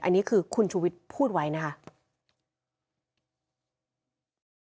อันนี้คือคุณชุวิตพูดไว้นะครับ